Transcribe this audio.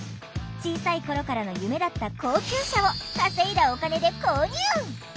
小さい頃からの夢だった高級車を稼いだお金で購入！